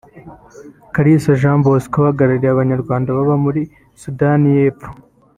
Kalisa Jean Bosco uhagarariye abanyarwanda baba muri Sudani y’Epfo